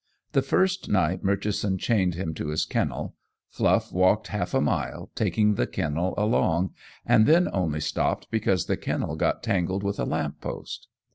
The first night Murchison chained him to his kennel Fluff walked half a mile, taking the kennel along, and then only stopped because the kennel got tangled with a lamp post.